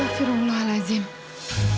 sudah dimuduhi yang ngeselin pada saat ini